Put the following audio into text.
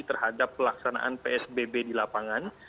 terhadap pelaksanaan psbb di lapangan